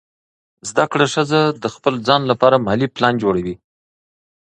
زده کړه ښځه د خپل ځان لپاره مالي پلان جوړوي.